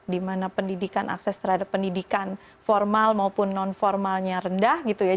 dimana pendidikan akses terhadap pendidikan formal maupun non formalnya rendah gitu ya